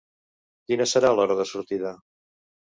Quina serà l'hora de sortida?